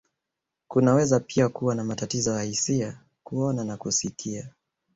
Kunaweza pia kuwa na matatizo ya hisia, kuona, na kusikia.